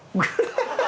ハハハハ！